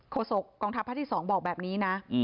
โศกกองทัพภาคที่๒บอกแบบนี้นะ